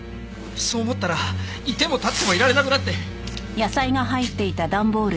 そう思ったらいてもたってもいられなくなって。